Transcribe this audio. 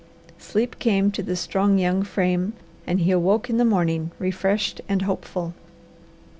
Sleep came to the strong, young frame and he awoke in the morning refreshed and hopeful.